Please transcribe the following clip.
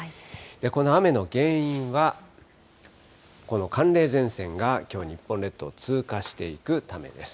この雨の原因は、この寒冷前線がきょう日本列島を通過していくためです。